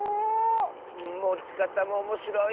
もちかたもおもしろい。